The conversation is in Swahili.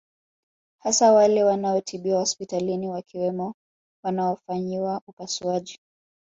Hasa wale wanaotibiwa hospitalini wakiwemo wanaofanyiwa upasuaji